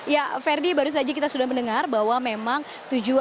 ya ferdi baru saja kita sudah mendengar bahwa memang tujuan